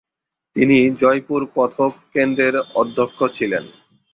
তিনি জয়পুর কত্থক কেন্দ্রের অধ্যক্ষ ছিলেন।